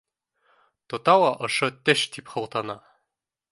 — Тота ла ошо теш тип һылтана!